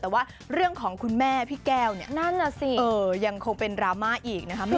แต่ว่าเรื่องของคุณแม่พี่แก้วเนี่ยนั่นน่ะสิยังคงเป็นดราม่าอีกนะคะ